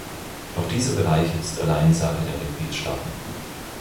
Doch dieser Bereich ist allein Sache der Mitgliedstaaten.